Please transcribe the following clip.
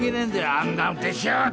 あんな運転しやがって。